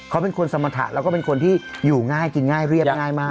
เขาเป็นคนสมรรถะแล้วก็เป็นคนที่อยู่ง่ายกินง่ายเรียบง่ายมาก